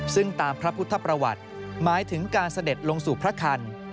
ซึ่งตามพระพุทธประวัติหมายถึงการเสด็จลงสู่พระคัน